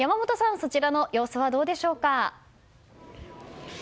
そちらの様子はどうでしょうか。